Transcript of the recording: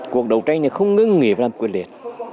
cuộc đấu tranh này không ngưng nghĩa phải làm quyết liệt